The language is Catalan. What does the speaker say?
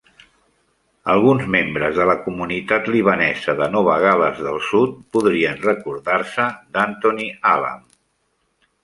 Alguns membres de la comunitat libanesa de Nova Gal·les del Sud podrien recordar-se d'Anthony Alam.